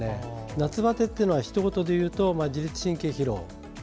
夏バテというのはひと言で言うと自律神経疲労。